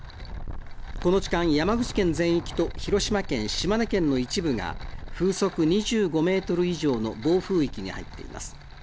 この時間山口県全域と広島県、島根県の一部が風速２５メートル以上の暴風域に入っています。